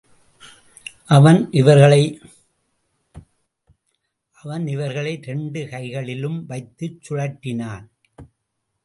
அவன் இவர்களை இரண்டு கைகளி லும்வைத்துச் சுழற்றினான்.